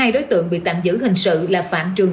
hai đối tượng bị tạm giữ hình sự là phản trung